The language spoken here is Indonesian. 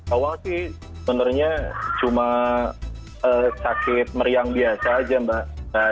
awal sih sebenarnya cuma sakit meriang biasa aja mbak